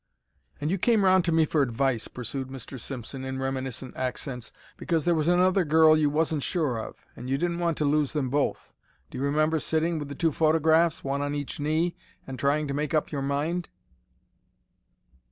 "And you came round to me for advice," pursued Mr. Simpson, in reminiscent accents, "because there was another girl you wasn't sure of, and you didn't want to lose them both. Do you remember sitting with the two photographs—one on each knee—and trying to make up your mind?"